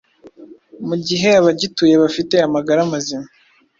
mu gihe abagituye bafite amagara mazima,